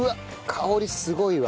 香りすごいわ。